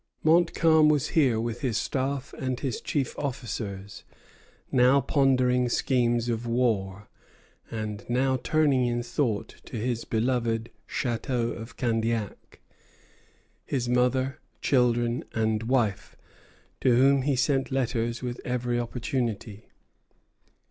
Montcalm was here with his staff and his chief officers, now pondering schemes of war, and now turning in thought to his beloved Château of Candiac, his mother, children, and wife, to whom he sent letters with every opportunity.